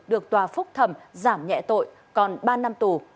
được tòa phúc thẩm giảm nhẹ tội còn ba năm tù